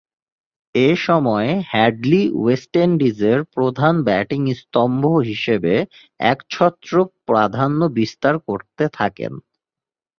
এ সময়ে Hadlee West ইন্ডিজের প্রধান ব্যাটিং স্তম্ভ হিসেবে একচ্ছত্র প্রাধান্য বিস্তার করতে থাকেন।